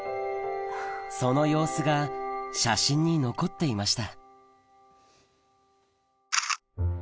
その様子が写真に残っていました